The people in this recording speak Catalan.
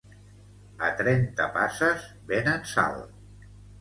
A Trenta passes venen sal